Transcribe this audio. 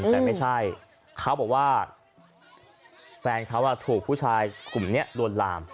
แต่ไม่ใช่เขาบอกว่าแฟนเขาถูกผู้ชายกลุ่มนี้ลวนลาม